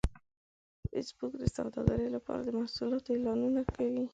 فېسبوک د سوداګرۍ لپاره د محصولاتو اعلانونه کوي